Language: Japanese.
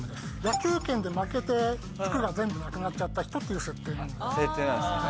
野球拳で負けて服が全部なくなっちゃった人っていう設定なので設定なんですね